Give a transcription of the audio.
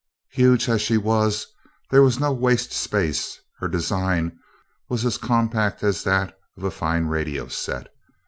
Huge as she was, there was no waste space her design was as compact as that of a fine radio set.